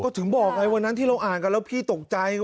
ถึงบอกไงวันนั้นที่เราอ่านกันแล้วพี่ตกใจ